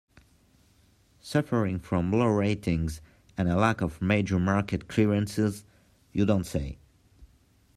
Suffering from low ratings and a lack of major market clearances, You Don't Say!